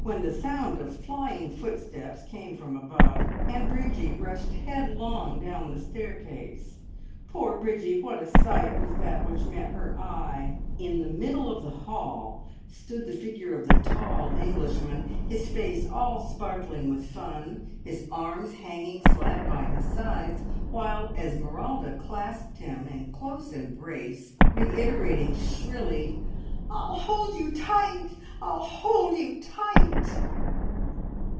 when the sound of flying footsteps came from above, and Bridgie rushed headlong down the staircase. Poor Bridgie, what a sight was that which met her eye! In the middle of the hall stood the figure of the tall Englishman, his face all sparkling with fun, his arms hanging slack by his sides, while Esmeralda clasped him in close embrace, reiterating shrilly "I'll hold you tight! I'll hold you tight!"